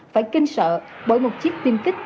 phải kinh sợ bởi một chiếc tiêm kích